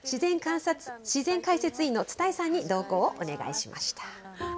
自然解説員の伝井さんに同行をお願いしました。